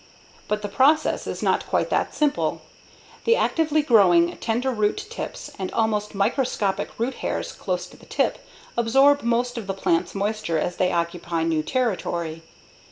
But the process is not quite that simple. The actively growing, tender root tips and almost microscopic root hairs close to the tip absorb most of the plant's moisture as they occupy new territory.